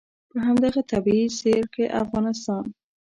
په همدغه طبعي سیر کې افغانستان.